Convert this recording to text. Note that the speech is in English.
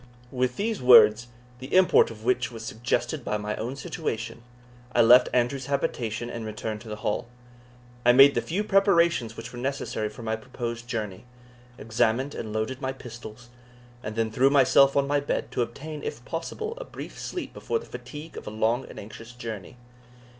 With these words, the import of which was suggested by my own situation, I left Andrew's habitation, and returned to the Hall. I made the few preparations which were necessary for my proposed journey, examined and loaded my pistols, and then threw myself on my bed, to obtain, if possible, a brief sleep before the fatigue of a long and anxious journey.